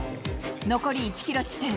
残り１キロ地点。